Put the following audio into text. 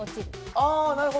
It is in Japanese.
あなるほど！